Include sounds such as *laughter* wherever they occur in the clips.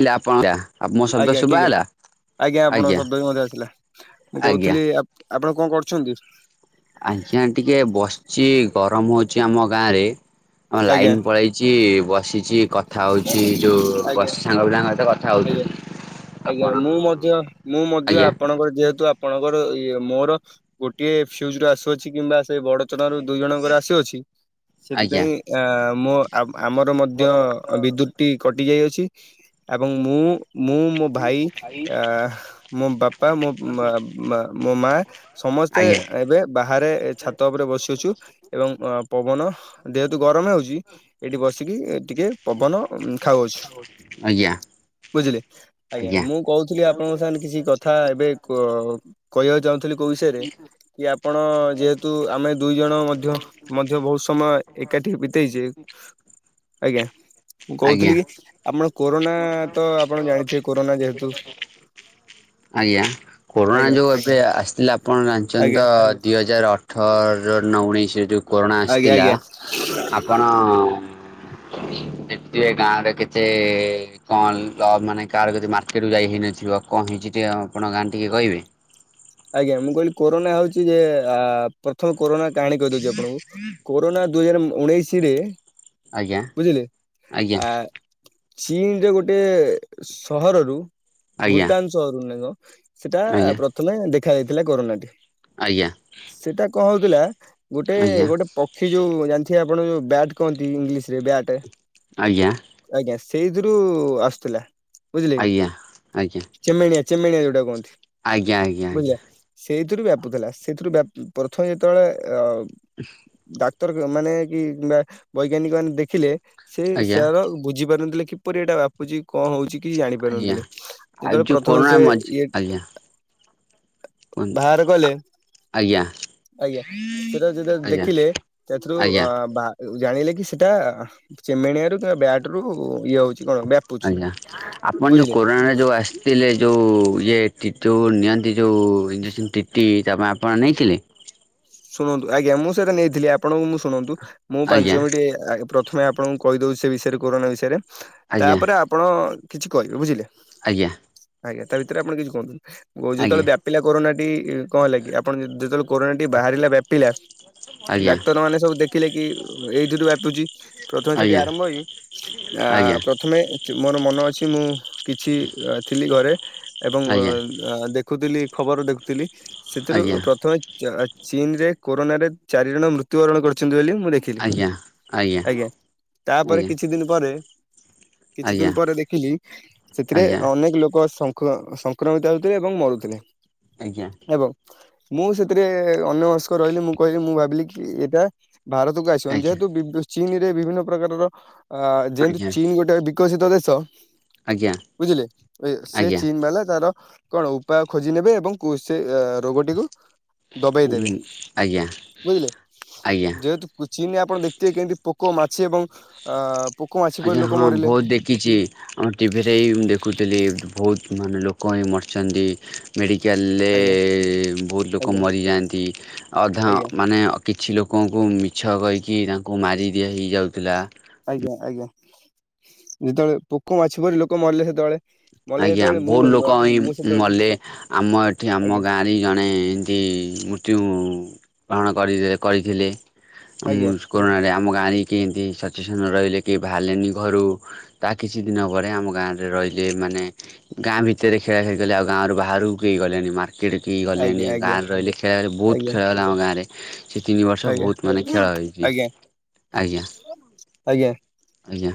ଇଲାପାଣଯା। ଆଜ୍ଞା ଠିକ୍ ଅଛି ଆଜ୍ଞା ଆପଣ ଶବ୍ଦ ରେମଜା ଆସିଲା ମୁଁ ଆଜ୍ଞା। କହୁଥିଲି ଆ ଆପଣ କଣ କରୁଛନ୍ତି? ଆଜ୍ଞା ଟିକେ ବସିଛି ଗରମ ହଉଛି ଆମ ଗାଁ ରେ ଆମ ଆଜ୍ଞା ଲାଇନ୍ ପଳେ ଚି ବସିଛି କଥା ହଉଛି ଯୋଉ ଆଜ୍ଞା ବସିଚି ସାଙ୍ଗ ପିଲାଙ୍କ ସହିତ କଥା ଆଜ୍ଞା ହଉଛନ୍ତି। ଆଜ୍ଞା ମୁଁ ମଧ୍ୟ ମୁଁ ମଧ୍ୟ ଆଜ୍ଞା ଆପଣଙ୍କର ଯେହେତୁ ଆପଣଙ୍କର ଇଏ ମୋର ଗୋଟିଏ ଫିୟୁଜ ରୁ ଆସୁଅଛି କିମ୍ବା ସେ ବଡ। ଚଣାରୁ ଦୁଇଜଣଙ୍କର ଆସୁଅଛି ଆଜ୍ଞା ସେଥିପାଇଁ ଆ ମୁଁ ଆମର ମଧ୍ୟ। ଦ୍ୟୁତ୍ଟି କଟି ଯାଇଅଛି ଏବଂ ମୁଁ ମୁଁ ମୋ ଭାଇ ଅ ମୋବାପା ମୋ ବ ମ ବ ମ ମା ସମସ୍ତେ ଆଜ୍ଞା ଏବେ ବାହାରେ ଛାତଉପରେ ବସିଅଛୁ ଏବଂ ପବନ ଯେହେତୁ ଗରମ୍ ହେଉଛି। ଏଇଠି ବସିକି ଟିକେ ପବନ ଖାଉଅଛୁ। ଆଜ୍ଞା। ବୁଝିଲେ ଆଜ୍ଞା ମୁଁ କହୁଥିଲି ଆପଣଙ୍କ ସାଙ୍ଗରେ କିଛି କ କଥା ଏବେ କେ କଇବାକୁ ଚାହୁଁଥିଲି କୋଉ ବିଷୟରେ। କି ଆପଣ ଯେହେତୁଆମେ ଦୁଇଜଣ ମଧ୍ୟ। ମଧ୍ୟ ବହୁତ୍ ସମୟ ଏକାଠି ବିତେଇଚେ ଆଜ୍ଞା। ମୁଁ ଆଜ୍ଞା କହୁଥିଲି କି ଆମର କୋରୋନା ତ ଆପଣ ଜାଣିଥିବେ କୋରୋନା ଯେହେତୁ ଆଜ୍ଞା କୋରୋନା ଆଜ୍ଞା ଯୋଉଁ ଏବେ ଆସିଥିଲା ଆପଣ ଜାଣିଛନ୍ତି ଆଜ୍ଞା ତ ଦିଇହଜାର ଅ ଅଠର ନ ଉଣେଇଶିରେ ଯେଉଁ କରୋନା ଆଜ୍ଞା ଆସିଥିଲା ଆଜ୍ଞା ଆପଣ ଉଁ ଦେଖିଥିବେ ଗାଁରେ କେତେ କଣ ତ ମାନେ କାହାର କିଛି ମାର୍କେଟ ଯାଇହି ନଥିବ କଣ ହେଇଛି ଯେ ଗାଁ ଟିକେ କହିବେ। ଆଜ୍ଞା ମୁଁ କହିଲି କୋରୋନା ହଉଛି ଯେ ପ୍ରଥମ କୋରୋନା କାହାଣୀ କହିଦଉଛି ଆପଣଙ୍କୁ କୋରୋନା ଦୁଇ ହଜାର ଉଣେଇଶି ରେ ଆଜ୍ଞା ବୁଝିଲେ ଆଜ୍ଞା ଆ ଚୀନରେ ଗୋଟେ ସହରରୁ ଆଜ୍ଞା ଭୁଟାନ ସହରରୁ ଏକ ସେଟା ଆଜ୍ଞା ପ୍ରଥମେ ଦେଖ ଦେଖ ଯାଇଥିଲା କରୋନାଟି ଆଜ୍ଞା ସେଟା କଣ ହଉଥିଲା ଗୋଟେ ଆଜ୍ଞା ଗୋଟେ ପକ୍ଷୀ ଯୋଉ ଜାଣିଥିବେ ଆପଣ ଯୋଉ ବ୍ୟାଟ କହନ୍ତି ଇଂଲିଶ ରେ ବ୍ୟାଟେ ଆଜ୍ଞା। ଆଜ୍ଞା ସେଇଥିରୁ ଆସିଥିଲା। ବୁଝିଲେ ଆଜ୍ଞା ଆଜ୍ଞା କି ଚେମେଣିଆ ଚେମେଣିଆ ଯୋଉଟା କୁହନ୍ତି। ଆଜ୍ଞା ଆଁ ବୁଝିଲେ ସେଇଥିରୁ ବ୍ୟାପୁଥିଲା ସେଇଥିରୁ ବ୍ୟା ପ୍ରଥମେ ଯେତେବେଳେ ଅ ହୁଁ। ଡାକ୍ତର ମାନେ କି କିମ୍ବା ବୈଜ୍ଞାନିକ ମାନେ ଦେଖିଲେ ସେ ସାର ବୁଝିପାରନ୍ତିଲେ କିପରି ଏଇଟା ବୁଝିକି କଣ ହଉଛି କିଛି ଆଜ୍ଞା ଆଜ୍ଞା ଜାଣିପାରୁନଥିଲେ ଆଉ ଯେତେବେଳେ ଯୋଉ ପ୍ରଥମେ କରୋନା ସେ ମଝି ଇଏ ଆଜ୍ଞା କୁହନ୍ତୁ ବାହାର କଲେ। ଆଜ୍ଞା। ଆଜ୍ଞା ସେଟା ଯଦି ଆଜ୍ଞା ଦେଖିଲେ ସେଥିରୁ ଆଜ୍ଞା ଅ ବା ଜାଣିଲେ କି ସେଟା ଚେମେଣିଆ ରୁ କିମ୍ବା ବ୍ୟାଟ୍ ରୁ ଇଏ ହୋଉଚି। ଆଜ୍ଞା ଆପଣ ଯୋଉ କୋରୋନାରେ ଯୋଉ ଆସ୍ ଥିଲେ ଯୋଉ ଇଏ ନିଅନ୍ତି ଯୋଉ ଇଞ୍ଜେକ୍ସନ୍ ଟିଟି ତା ପାଇଁ ଆପଣ ନେଇଥିଲେ? ଶୁଣନ୍ତୁ ଆଜ୍ଞା ମୁଁ ସେଇଟା ନେଇଥିଲି ଆପଣଙ୍କୁ ମୁଁ ଶୁଣନ୍ତୁ ମୁଁ ଆଜ୍ଞା ପାଞ୍ଚମିଟି ଆଁ ପ୍ର ଥମେ ଆପଣଙ୍କୁ କହିଦୋଉ ସେ ବିଷୟରେ କୋରୋନା ବିଷୟରେ ଆଜ୍ଞା ତାପରେ ଆପଣ କିଛି କହିବେ ବୁଝିଲେ। ଆଜ୍ଞା। ଆଜ୍ଞା ତା ଭିତରେ ଆପଣ କିଛି କୁହନ୍ତୁନି ଆଜ୍ଞା ଯେତେବେଳେ ବ୍ଯା ପିଲା କୋରୋନାଟି କଁ ହେଲା କି ଆପଣ ଯେତେବେଳେ କରୋନା ଟି ବାହାରିଲା ବ୍ୟାପିଲା, ଆଜ୍ଞା ଡାକ୍ତର ମାନେ ସବୁ ଦେଖିଲେ କି ଏଇଥୁରୁ ବ୍ୟାପୁଚି। ପ୍ରଥମେ ସେଠି ଆଜ୍ଞା ଆରମ୍ଭ ହେଇ ଆ ଆଜ୍ଞା ପ୍ରଥମେ ମୋର ମନ ଅଛି ମୁଁ କିଛି ଥିଲି ଘରେ ଏବଂ ଆଜ୍ଞା ଦେଖୁଥିଲି ଖବର ଦେଖୁଥିଲି। ସେଥିରୁ ଆଜ୍ଞା ପ୍ରଥମେ ଚୀନ୍ ରେ କୋରୋନାରେ ଚାରି ଜଣ ମୃତ୍ୟୁବରଣ କରିଛନ୍ତି ବୋଲି ମୁଁ ଦେଖିଲି ଆଜ୍ଞା ଆଜ୍ଞା ତାପରେ ଆଜ୍ଞା କିଛି ଦିନି ପରେ କିଛି ଆଜ୍ଞା ଦିନ୍ ପରେ ଦେଖିଲି ସେଥିରେ ଆଜ୍ଞା ଅନେକ ଲୋକ ସଂ ସଂକ୍ରମିତ ହେଉଥିଲେ ଏବଂ ମରୁଥିଲେ। ଆଜ୍ଞା। ଏବଂ ମୁଁ ସେଥିରେ ଅନ୍ୟମନସ୍କ ରହିଲି ମୁଁ କହିଲି ମୁଁ ଭାବିଲି କି ଏଇଟା ଭାରତକୁ ଆସିବନି ଯେହେତୁ ଚୀନ ରେ ବିଭିନ୍ନ ପ୍ରକାରର ଅ ଯେହେତୁ ଆଜ୍ଞା ଚୀନ ଗୋଟେ ବି ବିକଶିତ ଦେଶ ଆଜ୍ଞା ଆଜ୍ଞା ଆଜ୍ଞା ବୁଝିଲେ ସେ ଆଜ୍ଞା ଚୀନ ବାଲା ତାର କଣ ଉପାୟ ଖୋଜି ନେବେ ଏବଂ କୁ ସେ ରୋଗଟିକୁ ଦବେଇ ଉଁ, ଦେବେ ଆଜ୍ଞା ବୁଝିଲେ ଆଜ୍ଞା ଯେହେତୁ ଚୀନ୍ ରେ ଆପଣ ଦେଖିଥିବେ କେମିତି ପୋକ ମାଛି ଏବଂ ଅ ପୋକ ମାଛି ପରି ଲୋକ ମରିଲେ। କିଛି ଆମ ଟିଭିରେ ହି ମୁଁ ଦେଖୁଥିଲି ବୋହୁତ୍ ମାନେ ଲୋକ ମାନେ ମରିଛନ୍ତି। ମେଡ଼ିକାଲ୍ ରେ ଆଜ୍ଞା ବୋହୁତ୍ ଲୋକ ଆଜ୍ଞା ମରିଯାଆନ୍ତି ଅଧା ଆଜ୍ଞା ମାନେ କିଛି ଲୋକଙ୍କୁ ମିଛ କହିକି ତାଙ୍କୁ ମାରିଦିଆ ହେଇଯାଉଥିଲା। ଆଜ୍ଞା ଆଜ୍ଞା ଯେତେବେଳେ ପୋକ ମାଛ ପରି ଲୋକ ମରିଲେ ସେତେବେଳେ ମଲେ ଆଜ୍ଞା ଯେତେବେଳେ ମୁଁ ବହୁତ ଭାବ ଲୋକ ହିଁ ମୁଁ ସେତେବେଳେ ମଲେ ଆମ ଏଠି ଆମ ଆଜ୍ଞା ଗାଁରେ ହିଁ ଜଣେ ସେ ମୃତ୍ୟୁ ପ୍ରାଣ କରି କରିଥିଲେ। ଆଜ୍ଞା କରୋନାରେ ଆମ ଗାଁରେ କେ ଏମିତି ସବୁ ସଚେତନ ରହିଲେ କି ବାହାରିଲେନି ଘରୁ। ତା କିଛି ଦିନ ପରେ ଆମ ଗାଁ ରେ ରହି ଯେ ମାନେ ଗାଁ ଭିତରେ ଖେଳା ଖେଳି କଲେ ଆଉ ଗାଁରୁ ବାହାରକୁ କେହି ଗଲେନି ମା କେହି ଗଲେନି ଆଜ୍ଞା ଆଜ୍ଞା ଗାଁରେ ରହିଲେ ଖେଳ ହେଲେ ବହୁତ ଆଜ୍ଞା ଖେଳ ହେଲା ଆମ ଗାଁରେ। ସେ ତିନି ବର୍ଷ ଆଜ୍ଞା ବୋହୁତ୍ ମାନେ ଖେଳ ହୋଇଛି ଆଜ୍ଞା ଆଜ୍ଞା। ଆଜ୍ଞା। ଆଜ୍ଞା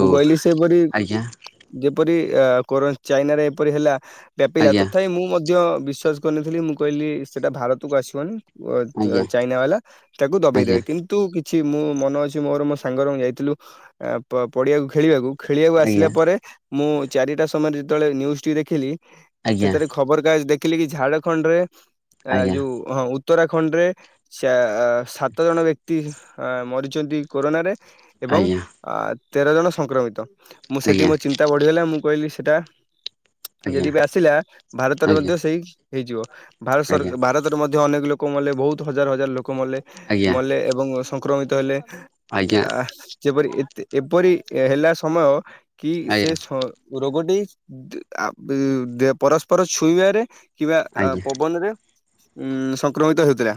ମୁଁ କହିଲି ସେପରି ଆଜ୍ଞା ଯେପରି ଆ କୋ ଚାଇନାରେ ଏପରି ହେଲା ବ୍ୟାପିଲା ଆଜ୍ଞା ତଥାପି ମୁଁ ମଧ୍ୟ ବିଶ୍ୱାସ କରିନଥିଲି ମୁଁ କହିଲି ସେଟା ଭାରତକୁ ଆସିବନି ଚା ଆଜ୍ଞା ଚାଇନା ବାଲା ତାକୁ ଦବେଇ ଆଜ୍ଞା ଦେବେ କିନ୍ତୁ ତୁ କିଛି ମୁଁ ମନ ଅଛି ମୋର ମୋ ସାଙ୍ଗର ଯାଇଥିଲୁ ପ ପଡିଆକୁ ଖେଳିବାକୁ ଖେଳିବାକୁ ଆସିଲା ଆଜ୍ଞା ପରେ ମୁଁ ଚାରିଟା ସମୟରେ ଯେତେବେଳେ ନ୍ୟୁଜ ଟି ଦେଖିଲି ଆଜ୍ଞା ଆଜ୍ଞା ସେଥିରେ ଖବର କାଜ ଦେଖିଲି କି ଝାଡଖଣ୍ଡ ରେ ଆ ଆଜ୍ଞା ଯୋଉ ହଁ ଉତ୍ତରାଖଣ୍ଡରେ ସାଆ ସାତ ଜଣ ବ୍ୟକ୍ତି ଆ ମରିଛନ୍ତି କୋରୋନାରେ ଏବଂ ଆଜ୍ଞା। ଆ ତେର ଜଣ ସଂକ୍ରମିତ ମୁଁ ସେଠି ଆଜ୍ଞା ମୋ ଚି ନ୍ତା ବଢିଗଲା ମୁଁ କହିଲି ସେଇଟା ଆଜ୍ଞା ଯଦି ବି ଆସିଲା ଭାରତରେ ମଧ୍ୟ ସେଇ ହେଇଯିବ ଭାରତ ସର ଆଜ୍ଞା ଭାରତରେ ମଧ୍ୟ ଅନେକ ଲୋକ ମଲେ ବହୁତ ହଜାର ହଜାର ଲୋକ ମଲେ ଆଜ୍ଞା ମଲେ ଏବଂ ସଂକ୍ରମିତ ଆଜ୍ଞା ଆ ଯେପରି ଏପରି ହେଲା ସମୟ କି ସେ ଆଜ୍ଞା ସ ରୋଗଟି *unintelligible* ପରସ୍ପର ଛୁଇଁବାରେ କିମ୍ବା ଆ ଆଜ୍ଞା ପବନରେ ଉ ସଂକ୍ରମିତ ହେଉଥିଲା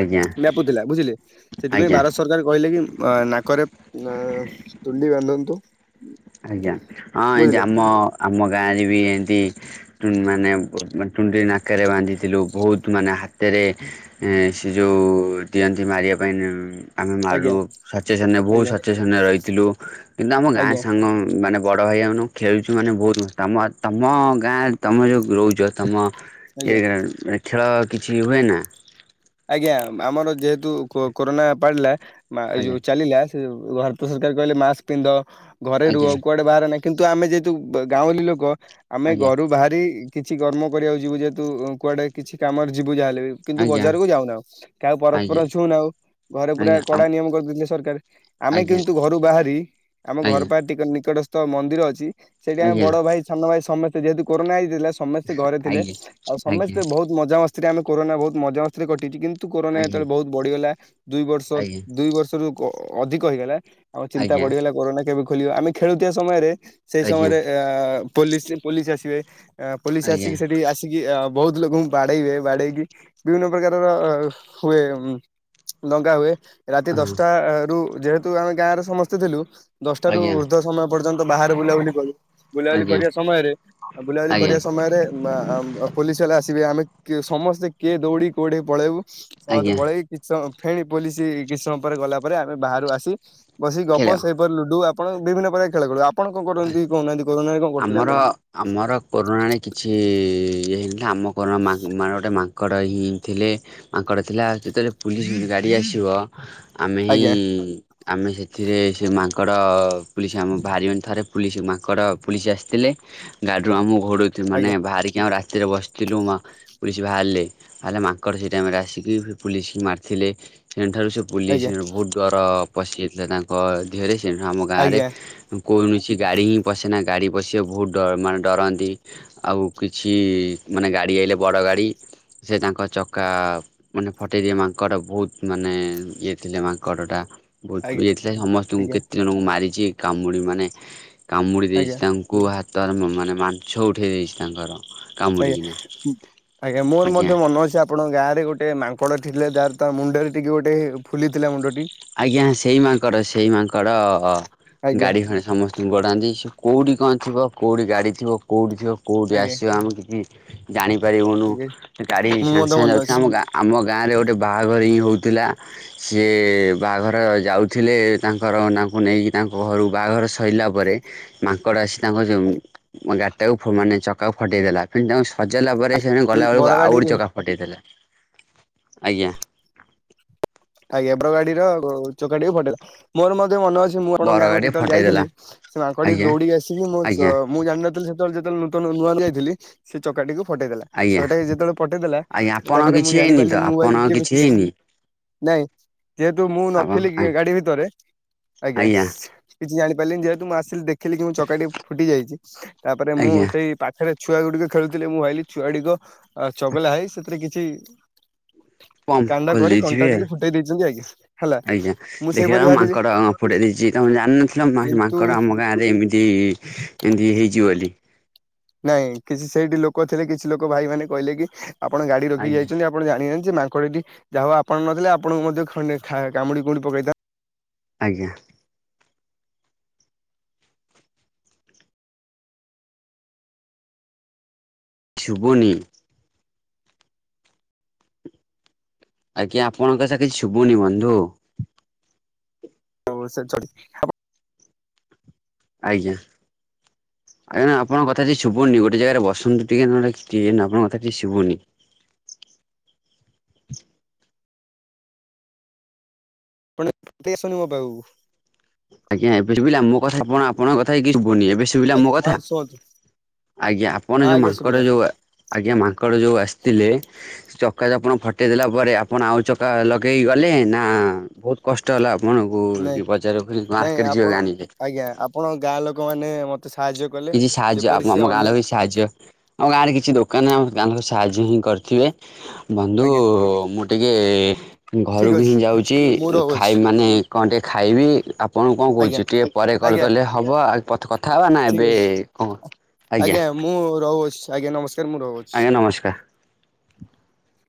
ଆଜ୍ଞା ଥିଲା ବୁଝିଲେ ସେଥିପାଇଁ ଆଜ୍ଞା ଆଜ୍ଞା ଭାରତ ସରକାର କହିଲେ କି ଆ ନାକରେ ଆ ତୁଣ୍ଡି ବାନ୍ଧନ୍ତୁ ଆଜ୍ଞା ହଁ ଏମତି ବୁଝିଲେ ଆମ ଆମ ଗାଁରେ ବି ଏମିତି ମାନେ ତୁଣ୍ଡି ନାକରେ ବାନ୍ଧିଥିଲୁ ବହୁତ ମାନେ ହାତରେ ଏ ସେ ଯେଉଁ ଦିଅନ୍ତି ମାରିବା ପାଇଁ ଉ ଆମେ ମାରୁ ଆଜ୍ଞା ସଚେସନ ବହୁତ ଆଜ୍ଞା ସଚେସନ ରହିଥିଲୁ କିନ୍ତୁ ଆମ ଗାଁ ଆଜ୍ଞା ମାନେ ବଡ଼ ଭାଇ ଆାଉନୁ ଖେଳୁଛୁ ମାନେ ବହୁତ ମ ତମ ତମ ଗାଁରେ ତମ ଯେଉ ରହୁଛ ତମ ଆଜ୍ଞା। ଏ ଖେଳ କିଛି ହୁଏନା ଆଜ୍ଞା ଆମର ଯେହେତୁ କୋ କୋରୋନା ପାଡିଲା ଏ ଆଜ୍ଞା ଯୋଉ ଚାଲିଲା ଭାରତ ସରକାର କହିଲେ ମାସ୍କ ପିନ୍ଧ ଘରେ ରୁହ ଆଜ୍ଞା କୁଆଡେ ବାହର ନାହିଁ କିନ୍ତୁ ଆମେ ଯେହେତୁ ଗାଁ ଗାଉଲି ଲୋକ ଆମେ ଆଜ୍ଞା ଘରୁ ବାହାରି କିଛି କର୍ମ କରିବାକୁ ଯିବୁ ଯେହେତୁ କୁଆଡେ କିଛି କାମରେ ଯିବୁ ଯାହା ହେଲେ ବି କିନ୍ତୁ ବ ଆଜ୍ଞା ଜାର କୁ ଯାଉନା କାହାକୁ ଆଜ୍ଞା ପରସ୍ପର ଛୁଉଁନାଉ ଘରେ ପୁରା ଆଜ୍ଞା ଆମ କଡା ନିୟମ କରିଦଉଥିଲେ ସରକାର ଆମେ ଆଜ୍ଞା କିନ୍ତୁ ଘରୁ ବାହାରି ଆମ ଘର ଆଜ୍ଞା ପା ଟିକ ନିକଟସ୍ ତ ମନ୍ଦିର ଅଛି ସେଇଠି ଆମେ ଆଜ୍ଞା ବଡ ଭାଇ ସାନ ଭାଇ ସମସ୍ତେ ଯେହେତୁ କରୋନା ହେଇଥିଲା ସମସ୍ତେ ଘରେ ଥିଲେ ଆଉ ଆଜ୍ଞା। ସମସ୍ତେ ବହୁତ ମଜା ମସ୍ତିରେ ଆମେ କରୋନା ବହୁତ ମଜା ମସ୍ତିରେ କଟିଛି କି ନ୍ତୁ କୋରୋନା ଆଜ୍ଞା ଯେତେବେଳେ ବହୁତ ବଢିଗଲା ଦୁଇ ବର୍ଷ ଆଜ୍ଞା ଦୁଇ ବର୍ଷରୁ ଅଧିକ ହେଇଗଲା ଆମ ଚିନ୍ତା ଆଜ୍ଞା ବଢିଗଲା କୋରୋନା କେବେ ଖୋଲିବ ଆମେ ଖେଳୁଥିବା ସମୟରେ ସେଇ ଆଜ୍ଞା ଆଜ୍ଞା ସମୟରେ ଆ - ପୋଲିସ ପୋଲିସ ଆସିବେ ଆ ପୋଲିସ ଆଜ୍ଞା ଆସିକି ସେଠି ଆସ ବହୁତ ଲୋକଙ୍କୁ ବାଡେଇବେ ବାଡେଇକି ବିଭିନ୍ନ ପ୍ରକାରର ହୁଏ ଲଙ୍ଗା ହୁଏ ରାତି ହଁ ଦଶଟା ରୁ ଯେହେତୁ ତୁ ଆମେ ଗାଁରେ ସମସ୍ତେ ଥିଲୁ ଦଶଟା ରୁ ଆଜ୍ଞା ଉର୍ଦ୍ଧ୍ୱ ସମୟ ପର୍ଯ୍ୟନ୍ତ ବାହାରେ ବୁଲାବୁଲି କରୁ ବୁଲାବୁଲି ଆଜ୍ଞା କରିବା ସମୟରେ ଆ ବୁଲାବୁଲି ଆଜ୍ଞା କରିବା ସମୟରେ ପୋଲିସ ବାଲେ ଆସିବେ ଆମେ କି ସମସ୍ତେ କିଏ ଦୌଡ଼ି କେଉଁଠି ପଳେଇବୁ ସମସ୍ତେ ଆଜ୍ଞା ପଳେଇ କିଛି ସମ ଫେଣି ପୋଲି କିଛି ସମୟ ପରେ ଗଲା ପରେ ଆମେ ବାହାରୁ ଆସି ବସିିକ ଗପ ଖେଳ ସେ ଲୁଡୁ ଆପଣ ବିଭିନ୍ନ ପ୍ରକାର ଖେଳ ଖଳୁ ଆପଣ କଣ କରନ୍ତି କହୁନାହାନ୍ତି କରୋନାରେ କଣ କର ଆମର ଆମର କରୋନାରେ କିଛି ଇଏ ହେଇନଥିଲା ଆମ କରୋନା ମାନେ ଗୋଟେ ତାଙ୍କର ହିଁ ଥିଲେ ମାଙ୍କଡ଼ ଥିଲା ଯେତେବେଳେ ପୁଲିସ ଗାଡ଼ି ଆସିବ ଆମେ ହିଁ ଆଜ୍ଞା ଆମେ ସେଥିରେ ସେ ମାଙ୍କଡ ପୁଲିସ ଆମ ଭାରିମାନେ ଥରେ ପୁଲିସ୍ ମାଙ୍କଡ଼ ପୁୋଲିସ ଆସିଥିଲେ ଗାଡ଼ିରୁ ଆମ ଘୋରୁ ମାନେ ଆଜ୍ଞା ବାହାରିକି ଆମ ରାସ୍ତାରେ ବସିଥିଲୁ ପୁଲିସ୍ ବାହାରିଲେ ମାଙ୍କଡ଼ ସେ ଟାଇମ୍ ରେ ଆସିକି ପୁଲିସ ମାରିଥିଲେ ସେଠାରୁ ସେ ବୁଲି ଆଜ୍ଞା ବହୁତ ଡର ପଶିଯାଇଥିଲେ ତାଙ୍କ ଦିହରେ ସେ ଆମ ଗାଁରେ ଆଜ୍ଞା କୌଣସି ଗାଡ଼ି ହିଁ ପଶେନା ଗାଡ଼ି ପଶିବା ବହୁତ ଡ ମାନେ ଡରନ୍ତି ଆଉ କିଛି ମାନେ ଗାଡି ଆଇଲେ ବଡ ଗାଡି ସେ ତାଙ୍କ ଚକା ମାନେ ଫଟେଇ ଦିଏ ମାଙ୍କଡ଼ ବହୁତ ମାନେ ଇଏ ଥିଲେ ମାଙ୍କଡ଼ ଟା ବହୁତ ବି ଆଜ୍ଞା ଯାଇଥିଲା ସମସ୍ତଙ୍କୁ ଆଜ୍ଞା କେତେ ଜଣଙ୍କୁ ମାରିଚି କାମୁଡି ମାନେ କାମୁଡି ଆଜ୍ଞା। ଦେଇଛି ତାଙ୍କୁ ହାତରେ ମାନେ ମାଛ ଉଠେଇ ଦେଇଛି ତାଙ୍କର କାମୁଡ଼ିକିନା ଆଜ୍ଞା ଆଜ୍ଞା ମୋର ମଧ୍ୟ ମନ ଅଛି ଆପଣ ଗାଁରେ ଗୋଟେ ମାଙ୍କଡ ଥିଲେ ଯାର ତାର ମୁଣ୍ଡରେ ଟିକେ ଗୋଟେ ଫୁଲି ଥିଲା ମୁଣ୍ଡଟି ଆଜ୍ଞା ସେଇ ମାଙ୍କଡ଼ ସେଇ ମାଙ୍କଡ ଆଜ୍ଞା ଗାଡି ଖଣ ସମସ୍ତଙ୍କୁ ଗଢ଼ାନ୍ତି ସେ କଉଠି କଣ ଥିବ କଉଠି ଗାଡ଼ି ଥିବ କଉଠି ଥିବ କଉଠି ଆଜ୍ଞା ଆସିବ ଆମେ କିଛି ଜାଣିପାରିବୁନୁ ଆଜ୍ଞା ଗାଡି ମୁଁ ସାଙ୍ଗେ ମଧ୍ୟ ସାଙ୍ଗେ ମନେ ଅଛି। ଯାଉଥିଲା ଆମ ଆମ ଗାଁ ରେ ଗୋଟେ ବାହା ପାହାଘରେ ହିଁ ହେଉଥିଲା ସିଏ ବାହାଘର ଯାଉଥିଲେ ତାଙ୍କର ତାଙ୍କୁ ନେଇକି ତାଙ୍କ ଘରୁ ବାହାଘର ସରିଲା ପରେ ମାଙ୍କଡ ଆସି ତାଙ୍କ ଯୋଉ ଗାଡିଟାକୁ ମାନେ ଚକାକୁ ଫଟେଇ ଦେଲା ସେ ତାଙ୍କୁ ସଜାଇଲା ପରେ ସେମାନେ ଗଲା ବେଳକୁ ବର ଆଉ ଗାଡି ଗୋଟେ ଚକା ଫଟେଇ ଦେଲା ଆଜ୍ଞା ଆଜ୍ଞ ବର ଗାଡିର ଚକାଟିକୁ ଫଟେଇ ଦେଲା। ମୋର ମଧ୍ୟ ମନେ ଅଛି ମୁଁ ଆପଣଙ୍କ ବର ଗାଁକୁ ଗାଡି ଯେତେବେଳେ ଫଟେଇଦେଲା ଯାଇଥିଲି ସେ ମାଙ୍କଟି ଆଜ୍ଞା ଦୌଡ଼ିକି ଆସିକି ମୋ ଚ ଆଜ୍ଞା ମୁଁ ଜାଣିନଥିଲି ସେତେବେଳେ ଯେତେବେଳେ ନୂତନ ନୂଆ ଯାଇଥିଲି ସେ ଚକାଟିକୁ ଫଟେଇ ଦେଲା ଆଜ୍ଞା ଛହେ ଟା ଯେତେବେଳେ ଫଟେଇଦେଲା ଆଜ୍ଞା ଆପଣ ତାପରେ କିଛି ମୁଁ ଜାଣି ହେଇନି ତ ପାରିଲିନି ଆପଣ ମୋବାଇଲ କିଏ କିଛି ବଛ ହେଇନି ନାଇଁ ଯେହେତୁ ମୁଁ ଆପଣ ନଥିଲି ଗାଡି ଭିତରେ ଆଜ୍ଞା କିଛି ଜାଣିପାରିଲିନି ଯେହେତୁ ମୁଁ ଆସିଲି ଦେଖିଲି କି ମୁଁ ଚକାଟି ଫୁଟି ଯାଇଛି ତାପରେ ମୁଁ ଆଜ୍ଞା ସେଇ ପାଖରେ ଛୁଆ ଗୁଡିକ ଖେଳୁଥିଲେ ମୁଁ ଭାବିଲି ଛୁଆ ଗୁଡିକ ଚଗଲା ହେଇ ସେଥିରେ କିଛି ପମ୍ପ କାଣ୍ଡ ଖୁଲି କରି କଣ୍ଟା ଦେଇଥିବେ। ଟିକେ ଫୁଟେଇ ଦେଇଛନ୍ତି ଆଜ୍ଞା ହେଲା। ଆଜ୍ଞା ମୁଁ ସେଇପରି ଦେଖିଲାବେଳକୁ ଭାବିଲି ମାଙ୍କଡ ଫୁଡେଇ ଦେଇଛି ତମେ ଜାଣିନ ହେ ମା କିନ୍ତୁ ମାଙ୍କଡ଼ ଆମ ଗାଁରେ ଏମିତି ଏମିତି ହେଇଚି ବୋଲି ନାଇଁ କିଛି ସେଇଠି ଲୋକ ଥିଲେ କିଛି ଲୋକ ଭାଇ ମାନେ କହିଲେ କି ଆପଣ ଗାଡି ରଖି ଆଜ୍ଞା ଯାଇଛନ୍ତି ଆପଣ ଜାଣିନାହାନ୍ତି ମାଙ୍କଡ଼ଟି ଯାହା ହଉ ଆପଣ ନଥିଲେ ଆପଣଙ୍କୁ ମଧ୍ୟ ଖଣ୍ଡିଆ କାମୁଡି କୁଡି ପକେଇଥାନ୍ତା। ଆଜ୍ଞା ଶୁବୁନି ଆଜ୍ଞା ଆପଣଙ୍କ କଥା କିଛି ଶୁଭୁନି ବନ୍ଧୁ ହଉ ସେ *unintelligible* ଆଜ୍ଞା ଆଜ୍ଞା ଆପଣ କଥା କିଛି ଶୁବୁନି ଗୋଟେ ଜାଗାରେ ବସନ୍ତୁ ଟିକେ ନ କିଛି ଆଣ କଥା କିଛି ଶୁବୁନି ଆପଣ *unintelligible* ଆଜ୍ଞା ଏବେ ଶୁବିଲା ମୋ କଥା ଆପଣଙ୍କ କଥା କିଛି ଶୁବୁନି ଏବେ ଶୁଭିଲା ମୋ ଆଜ୍ଞା କଥା ହଁ ଶୁଣନ୍ତୁ ଆଜ୍ଞା ଆପଣ ହଁ ଯଉ ଆଜ୍ଞା ମାଙ୍କଡ଼ ଶୁଭିଲା ଯଉ ଆଜ୍ଞା ମାଙ୍କଡ଼ ଯୋଉ ଆସିଥିଲେ ଚକା ଯୋ ଆପଣ ଫଟେଇ ଦେଲା ପରେ ଆପଣ ଆଉ ଚକା ଲଗେଇ ଗଲେ ନା ବହୁତ କଷ୍ଟ ହେଲା ଆପଣଙ୍କୁ ନାଇଁ ବଜାର ନାଇଁ ମାର୍କେଟ ଆପଣ ଯିବାକୁ ଆଣିଲେ ଆଜ୍ଞା ଆପଣଙ୍କ ଗାଁ ଲୋକ ମାନ ମତେ ସାହାଯ୍ୟ କଲେ। କିଜି *unintelligible* ସାହାଯ୍ୟ ଆ ଯେପରି ସେ ଅନ୍ୟ ମଗଣଛି ସାହାଯ୍ୟ ଆମ ଗାଁରେ କିଛି ଦୋକାନ ଆମ ଗାଁ ଲୋକ ସାହାଯ୍ୟ ହିଁ କରିଥିବେ ବନ୍ଧୁ ଆଜ୍ଞା ମୁଁ ଟି କିଏ ଠିକ ଘରକୁ ଅଛି ହିଁ ଯାଉଛି ମୁଁ ରହୁଅଛି ଖାଇବି ମାନେ କଣ ଟିକେ ଖାଇବି ଆପଣ କଣ କହୁଛି ଆଜ୍ଞା ଟିକେ ପରେ କଲ୍ ଆଜ୍ଞା କଲେ ହବ ଆଉ କଥା ହେବା ନହିଁ *unintelligible* ଠିକ ଆଜ୍ଞା ମୁଁ ରହୁ ଅଛି ଆଜ୍ଞା ନମସ୍କାର ମୁଁ ରହୁଛି। ଆଜ୍ଞା ନମସ୍କାର।